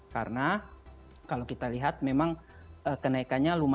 karena kalau kita lihat memang kenaikannya lumayan